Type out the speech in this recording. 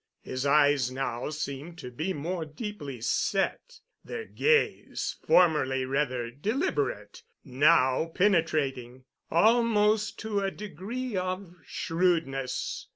His eyes now seemed to be more deeply set, their gaze, formerly rather deliberate, now penetrating, almost to a degree of shrewdness.